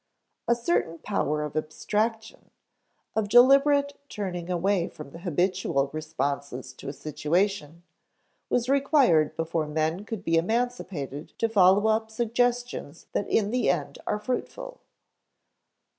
A certain power of abstraction, of deliberate turning away from the habitual responses to a situation, was required before men could be emancipated to follow up suggestions that in the end are fruitful.